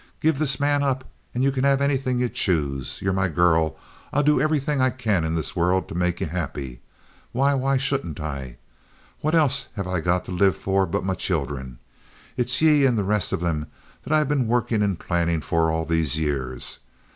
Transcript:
Give this man up, and ye can have anything ye choose. Ye're my girl—I'll do everything I can in this world to make ye happy. Why, why shouldn't I? What else have I to live for but me children? It's ye and the rest of them that I've been workin' and plannin' for all these years.